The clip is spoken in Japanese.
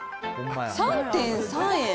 ３．３円？